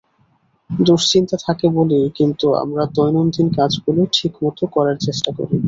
দুশ্চিন্তা থাকে বলেই কিন্তু আমরা দৈনন্দিন কাজগুলো ঠিকমতো করার চেষ্টা করি।